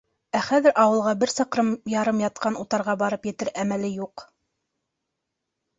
Ә хәҙер ауылға бер саҡрым ярым ятҡан утарға барып етер әмәле юҡ.